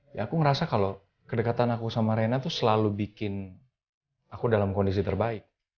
ya aku ngerasa kalau kedekatan aku sama rena tuh selalu bikin aku dalam kondisi terbaik